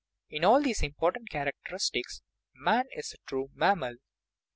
In all these important characteristics man is a true mammal.